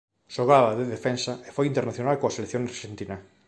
Xogaba de defensa e foi internacional coa selección arxentina.